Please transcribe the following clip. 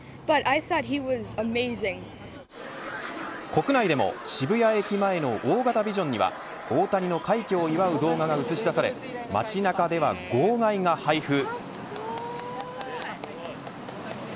国内でも渋谷駅前の大型ビジョンには大谷の快挙を祝う動画が映し出され街なかでは号外が配布。